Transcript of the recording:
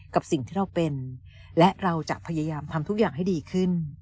กับสิ่งที่เราเป็นและเราจะพยายามทำทุกอย่างให้ดีขึ้น